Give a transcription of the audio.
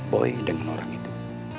boy dengan orang itu